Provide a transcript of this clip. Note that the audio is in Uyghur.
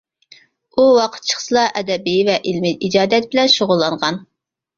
ئۇ ۋاقىت چىقسىلا ئەدەبىي ۋە ئىلمىي ئىجادىيەت بىلەن شۇغۇللانغان.